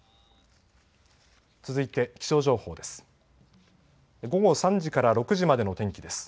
続いて気象情報です。